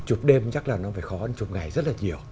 chụp đêm chắc là nó phải khó hơn chụp ngày rất là nhiều